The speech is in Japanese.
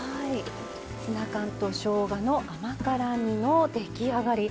ツナ缶としょうがの甘辛煮の出来上がり。